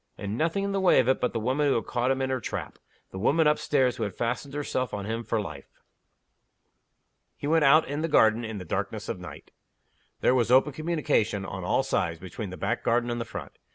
And nothing in the way of it but the woman who had caught him in her trap the woman up stairs who had fastened herself on him for life. He went out in the garden in the darkness of the night. There was open communication, on all sides, between the back garden and the front.